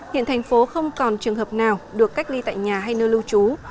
hiện tp hcm không còn trường hợp nào được cách ly tại nhà hay nơi lưu trú